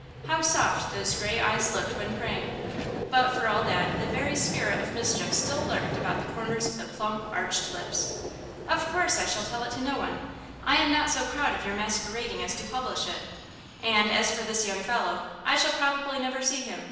How soft those gray eyes looked when praying! But for all that, the very spirit of mischief still lurked about the corners of the plump, arched lips. "Of course I shall tell no one! I am not so proud of your masquerading as to publish it. And as for this young fellow, I shall probably never see him!"